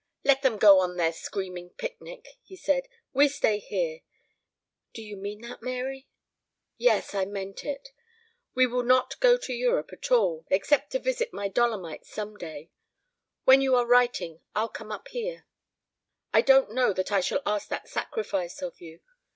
"Let them go on their screaming picnic," he said. "We stay here. Did you mean that, Mary?" "Yes, I meant it. We will not go to Europe at all except to visit my Dolomites some day. When you are writing I'll come up here." "I don't know that I shall ask that sacrifice of you.